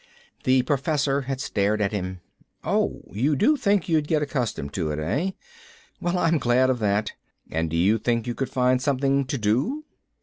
The Professor had stared at him. "Oh, you do think you'd get accustomed to it, eh? Well, I'm glad of that. And you think you could find something to do?"